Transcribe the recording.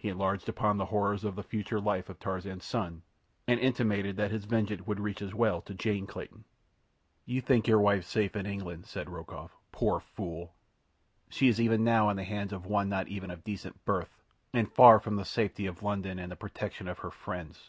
He enlarged upon the horrors of the future life of Tarzan's son, and intimated that his vengeance would reach as well to Jane Clayton. "You think your wife safe in England," said Rokoff. "Poor fool! She is even now in the hands of one not even of decent birth, and far from the safety of London and the protection of her friends.